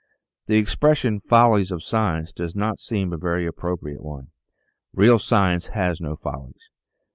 The expression " Follies of Science " does not seem a very appropriate one. Real science has no follies.